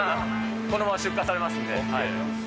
このまま出荷されますんで。